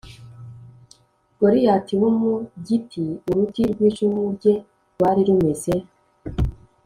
Goliyati w Umugiti uruti rw icumu rye rwari rumeze